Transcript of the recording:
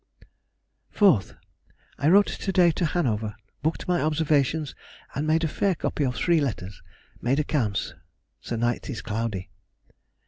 4th.—I wrote to day to Hanover, booked my observations, and made a fair copy of three letters. Made accounts. The night is cloudy.